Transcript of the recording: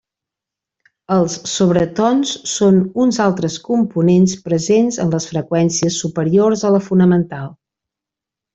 Els sobretons són uns altres components presents en les freqüències superiors a la fonamental.